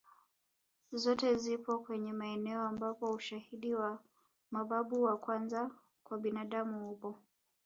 Zote zipo kwenye maeneo ambapo ushahidi wa mababu wa kwanza kwa binadamu upo